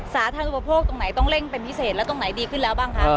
สาธารณอุปโภคตรงไหนต้องเร่งเป็นพิเศษแล้วตรงไหนดีขึ้นแล้วบ้างคะ